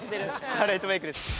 カレーとメイクです。